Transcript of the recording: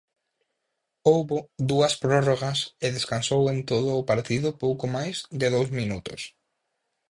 Houbo dúas prórrogas e descansou en todo o partido pouco máis de dous minutos.